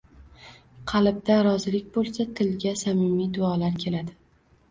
Qalbda rozilik bo‘lsa, tilga samimiy duolar keladi.